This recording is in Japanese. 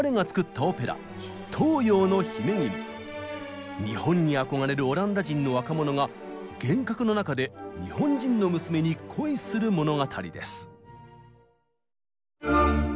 彼が作った日本に憧れるオランダ人の若者が幻覚の中で日本人の娘に恋する物語です。